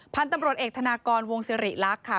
พันธุ์ตำรวจเอกธนากรวงสิริลักษณ์ค่ะ